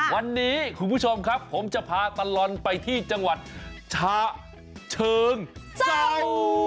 วันนี้คุณผู้ชมครับผมจะพาตลอดไปที่จังหวัดฉะเชิงเศร้า